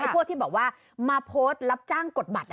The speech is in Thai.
พวกที่บอกว่ามาโพสต์รับจ้างกดบัตร